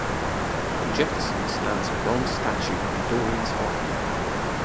In Jefferson stands a bronze statue in Doreen's honor.